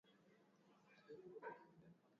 Usishindane na mtu, wajibu kwa wema.